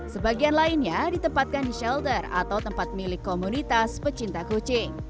sebagian lainnya ditempatkan di shelter atau tempat milik komunitas pecinta kucing